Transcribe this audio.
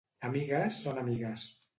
Amigues són amigues.